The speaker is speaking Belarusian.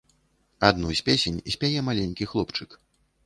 А адну з песень спяе маленькі хлопчык.